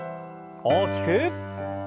大きく。